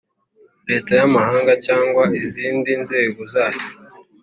Leta y’amahanga cyangwa izindi nzego zayo